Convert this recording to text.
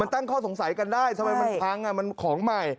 ตั้งข้อสงสัยกันได้ทำไมมันพังมันของใหม่